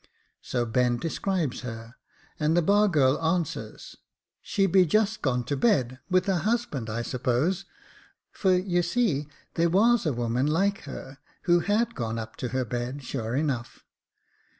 ' So Ben describes her, and the bar girl answers, ' She be just gone to bed, with her husband, I suppose ;' for, you see, there was a woman like her who had gone up to her bed, sure enough.